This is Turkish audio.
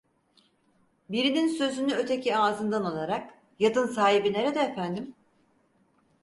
Birinin sözünü öteki ağzından alarak: "Yatın sahibi nerede efendim?"